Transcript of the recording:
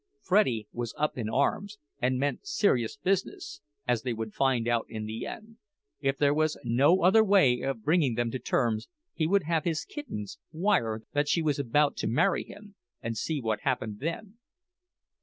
Freddie was up in arms and meant serious business, as they would find in the end—if there was no other way of bringing them to terms he would have his "Kittens" wire that she was about to marry him, and see what happened then.